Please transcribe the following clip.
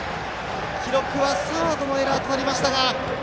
記録はサードのエラーとなりましたが。